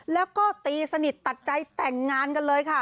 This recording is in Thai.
แล้วก็ตีสนิทตัดใจแต่งงานกันเลยค่ะ